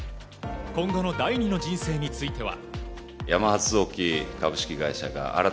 今後の第２の人生については。